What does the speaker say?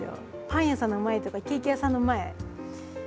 パン屋さんの前とかケーキ屋さんの前やばいね。